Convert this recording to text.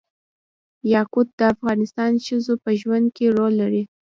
یاقوت د افغان ښځو په ژوند کې رول لري.